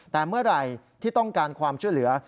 แต่เมื่อไหร่ที่ต้องการความช่วยเหลือ